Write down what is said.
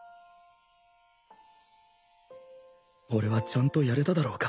俺はちゃんとやれただろうか